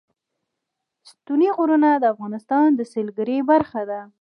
ستوني غرونه د افغانستان د سیلګرۍ برخه ده.